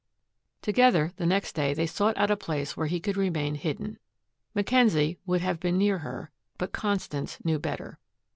Together the next day they sought out a place where he could remain hidden. Mackenzie would have been near her, but Constance knew better.